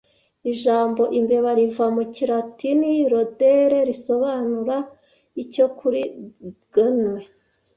Ijambo imbeba riva mu kilatini rodere risobanura icyo Kuri Gnaw